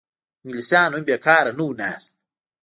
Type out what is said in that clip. انګلیسیان هم بېکاره نه وو ناست.